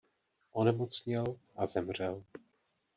Onemocněl a zemřel.